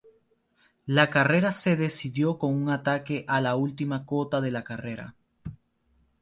La carrera se decidió con un ataque a la última cota de la carrera.